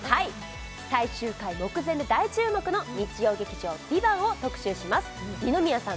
最終回目前で大注目の日曜劇場「ＶＩＶＡＮＴ」を特集します二宮さん